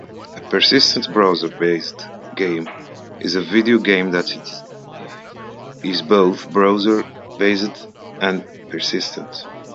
A persistent browser-based game is a video game that is both browser-based and persistent.